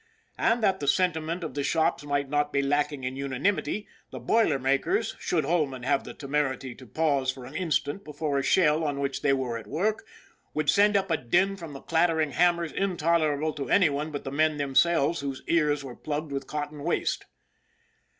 And that the sentiment of the shops might not be lacking in unanimity, the boilermakers, should Holman have the temerity to pause for an instant before a shell on which they were at work, would send up a din from their clattering hammers intolerable to any but the men themselves whose ears were plugged with cotton waste.